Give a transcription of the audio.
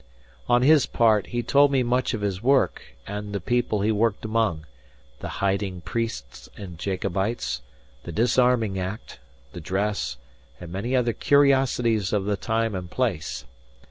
On his part, he told me much of his work and the people he worked among, the hiding priests and Jacobites, the Disarming Act, the dress, and many other curiosities of the time and place.